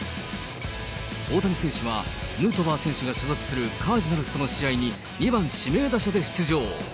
大谷選手は、ヌートバー選手が所属するカージナルスとの試合に、２番指名打者で出場。